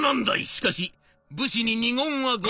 しかし武士に二言はござらぬ。